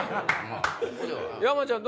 山ちゃん